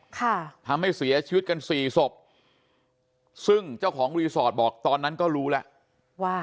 ค่ะทำให้เสียชีวิตกันสี่ศพซึ่งเจ้าของรีสอร์ทบอกตอนนั้นก็รู้แล้วว่า